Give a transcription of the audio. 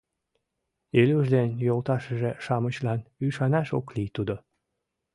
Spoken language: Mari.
Илюш ден йолташыже-шамычлан ӱшанаш ок лий тудо.